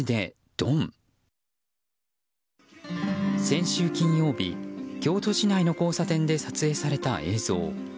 先週金曜日、京都市内の交差点で撮影された映像。